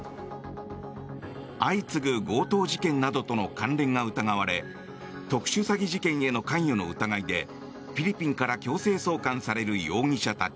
相次ぐ強盗事件などとの関連が疑われ特殊詐欺事件への関与の疑いでフィリピンから強制送還される容疑者たち。